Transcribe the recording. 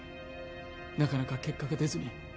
なかなか結果が出ずに